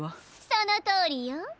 そのとおりよ。